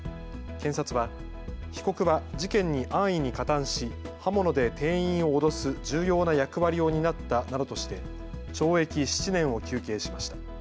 検察は被告は事件に安易に加担し刃物で店員を脅す重要な役割を担ったなどとして懲役７年を求刑しました。